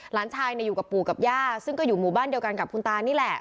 หลานชายอยู่กับปู่กับย่าซึ่งก็อยู่หมู่บ้านเดียวกันกับคุณตานี่แหละ